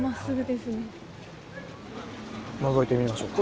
のぞいてみましょうか。